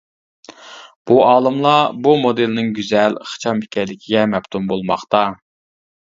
بۇ ئالىملار بۇ مودېلنىڭ گۈزەل، ئىخچام ئىكەنلىكىگە مەپتۇن بولماقتا.